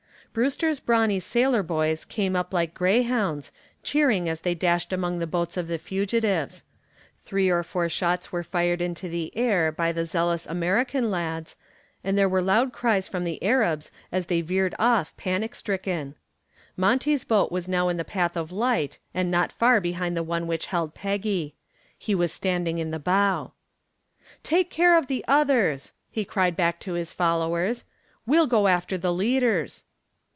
Brewster's brawny sailor boys came up like greyhounds, cheering as they dashed among the boats of the fugitives. Three or four shots were fired into the air by the zealous American lads, and there were loud cries from the Arabs as they veered off panic stricken. Monty's boat was now in the path of light and not far behind the one which held Peggy. He was standing in the bow. "Take care of the others!" he called back to his followers. "We'll go after the leaders."